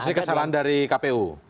maksudnya kesalahan dari kpu